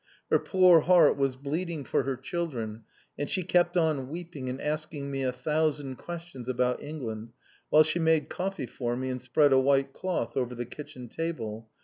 Her poor heart was bleeding for her children, and she kept on weeping, and asking me a thousand questions about England, while she made coffee for me, and spread a white cloth over the kitchen table.